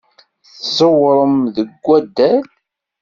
Tẓewrem deg waddal?